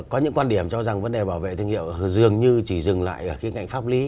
có những quan điểm cho rằng vấn đề bảo vệ thương hiệu dường như chỉ dừng lại ở cái ngành pháp lý